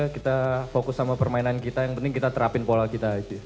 kita fokus sama permainan kita yang penting kita terapin pola kita